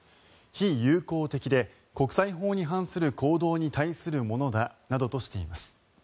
非友好的で国際法に反する行動に対するものだとしています。